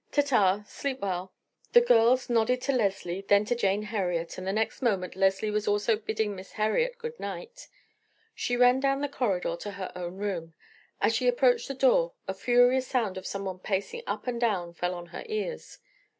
Ta ta; sleep well." The girls nodded to Leslie, then to Jane Heriot, and the next moment Leslie was also bidding Miss Heriot good night. She ran down the corridor to her own room. As she approached the door, a furious sound of someone pacing up and down fell on her ears.